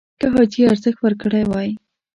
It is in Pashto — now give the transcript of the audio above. که حاجي ارزښت ورکړی وای